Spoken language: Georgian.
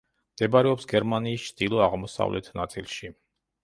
მდებარეობს გერმანიის ჩრდილო-აღმოსავლეთ ნაწილში.